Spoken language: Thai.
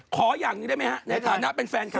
ขออย่างนึงได้มั้ยฮะในฐานะเป็นแฟนค่ะ